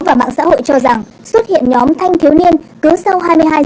và mạng xã hội cho rằng xuất hiện nhóm thanh thiếu niên cứ sau hai mươi hai h